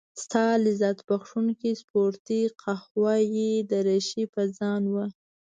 ستا لذت بخښونکې سپورتي قهوه يي دريشي په ځان وه.